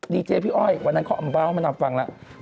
ดีเจพี่อ้อยวันนั้นเขาเอามาให้มานำฟังแล้ว